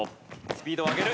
スピードを上げる。